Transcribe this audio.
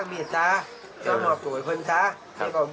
ก็นะกินคำว่าแทบตรงนั้นทั่วหนึ่ง